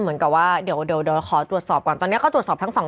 เหมือนกับว่าเดี๋ยวเดี๋ยวเดี๋ยวขอตรวจสอบก่อนตอนเนี้ยก็ตรวจสอบทั้งสอง